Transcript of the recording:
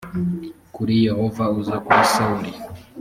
kuri yehova uza kuri sawuli